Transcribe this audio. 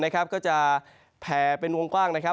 ก็จะแผ่เป็นวงกว้างนะครับ